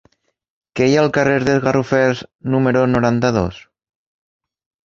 Què hi ha al carrer dels Garrofers número noranta-dos?